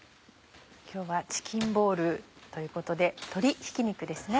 今日はチキンボールということで鶏ひき肉ですね。